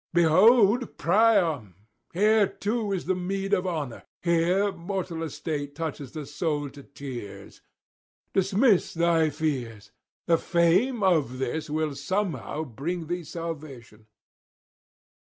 Behold Priam! Here too is the meed of honour, here mortal estate touches the soul to tears. Dismiss thy fears; the fame of this will somehow bring thee salvation.'